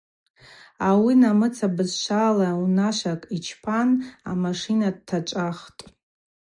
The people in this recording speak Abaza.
Ауи намыца бызшвала унашвакӏ йчпан амашина дтачӏвахтӏ.